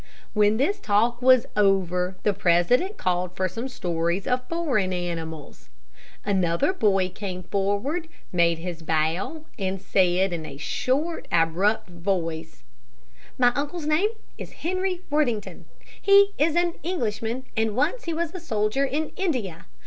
When this talk was over, the president called for some stories of foreign animals. Another boy came forward, made his bow, and said, in a short, abrupt voice, "My uncle's name is Henry Worthington. He is an Englishman, and once he was a soldier in India.